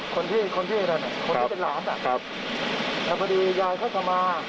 คนที่คนที่นั่นน่ะคนที่เป็นหลานน่ะครับแต่พอดียายเขาเข้ามา